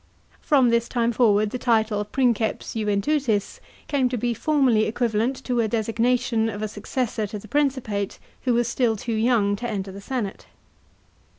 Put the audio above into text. From this time forward the title princeps iuventutis came to be formally equivalent to a designation of a successor to the Principate, who was still too young to enter the senate.